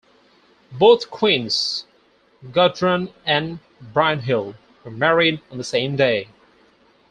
Both queens, Gudrun and Brynhild, were married on the same day.